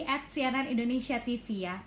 at cnn indonesia tv ya